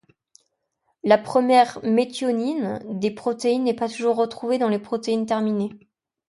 La première méthionine des protéines n'est pas toujours retrouvée dans les protéines terminées.